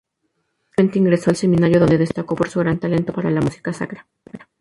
Posteriormente ingresó al seminario donde destacó por su gran talento para la música sacra.